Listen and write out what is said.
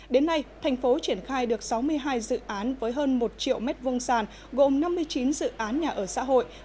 đến nay thành phố triển khai được sáu mươi hai dự án với hơn một triệu m hai sàn gồm năm mươi chín dự án nhà ở xã hội